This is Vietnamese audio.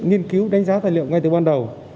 nghiên cứu đánh giá tài liệu ngay từ ban đầu